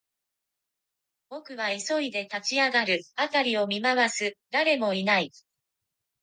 僕は急いで立ち上がる、辺りを見回す、誰もいない